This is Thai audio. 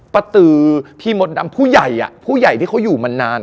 ปาตือพี่มดนำผู้ใหญ่ที่เขาอยู่มานาน